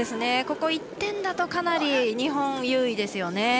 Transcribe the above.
ここ１点だとかなり日本、有利ですよね。